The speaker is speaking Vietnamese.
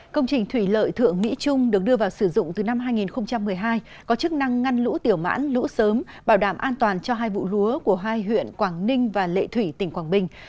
công trình thủy lợi thượng mỹ trung được đưa vào sử dụng từ năm hai nghìn một mươi hai có chức năng ngăn lũ tiểu mãn lũ sớm bảo đảm an toàn cho hai vụ lúa của hai huyện quảng ninh và lệ thủy tỉnh quảng bình